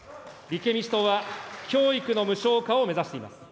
立憲民主党は教育の無償化を目指しています。